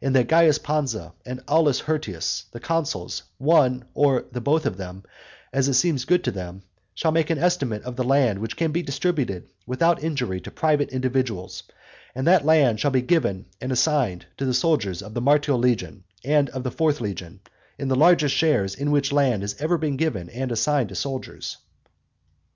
And that Caius Pansa and Aulus Hirtius the consuls, one or both of them, as it seems good to them, shall make an estimate of the land which can be distributed without injury to private individuals; and that land shall be given and assigned to the soldiers of the Martial legion and of the fourth legion, in the largest shares in which land has ever been given and assigned to soldiers."